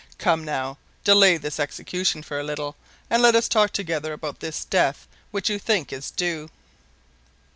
Come now, delay this execution for a little, and let us talk together about this death which you think is due.